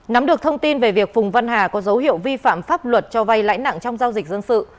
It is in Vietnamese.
nắm được thông tin về việc phùng văn hà có dấu hiệu vi phạm pháp luật cho vay lãi nặng trong giao dịch dân sự